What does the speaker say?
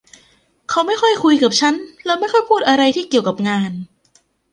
เขาไม่ค่อยคุยกับฉันและไม่ค่อยพูดอะไรที่เกี่ยวกับงาน